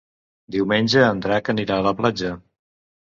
Diumenge en Drac anirà a la platja.